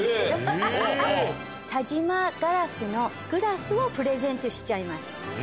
田島硝子のグラスをプレゼントしちゃいます。